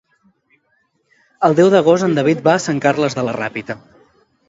El deu d'agost en David va a Sant Carles de la Ràpita.